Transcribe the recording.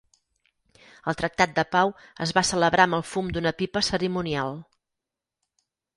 El Tractat de Pau es va celebrar amb el fum d'una pipa cerimonial.